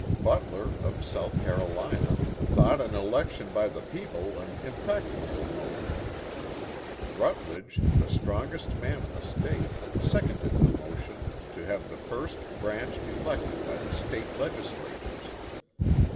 Butler, of South Carolina, "thought an election by the people an impracticable mode." Rutledge, the strongest man in the State, seconded the motion to have the first branch elected by the State legislatures.